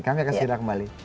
kami akan silakan kembali